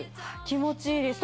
気持ちいいです